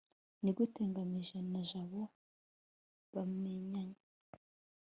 nigute ngamije na jabo bamenyanye